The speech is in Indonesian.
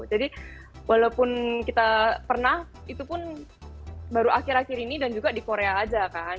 jadi walaupun kita pernah itu pun baru akhir akhir ini dan juga di korea aja kan